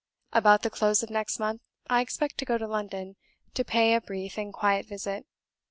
About the close of next month, I expect to go to London, to pay a brief and quiet visit.